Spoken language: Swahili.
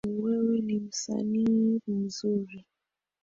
Wewe ni msanii mzuri